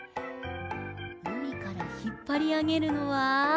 うみからひっぱりあげるのは。